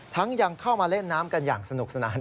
ยังเข้ามาเล่นน้ำกันอย่างสนุกสนาน